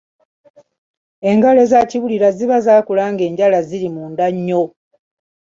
Engalo eza kibulira ziba zaakula ng’enjala ziri munda nnyo.